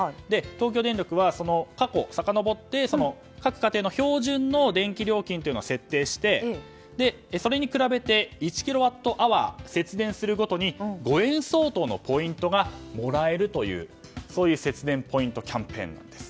東京電力は過去をさかのぼって各家庭の標準の電気料金を設定してそれに比べて１キロワットアワー節電するごとに５円相当のポイントがもらえるという節電ポイントキャンペーンなんです。